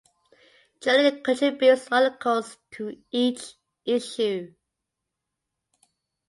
Julian contributes articles to each issue.